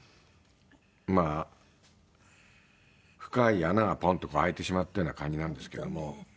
まあ深い穴がポンと開いてしまったような感じなんですけども。